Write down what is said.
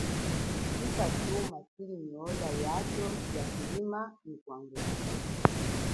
Hita chuma tshili nyi ola yacho ola ya kulima nyi ola ya kwangula.